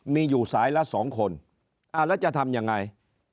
มีอยู่สายละ๒คนแล้วจะทำยังไง